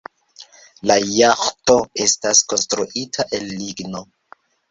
La jaĥto estas konstruita el ligno.